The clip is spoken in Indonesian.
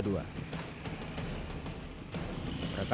rekam video berikutnya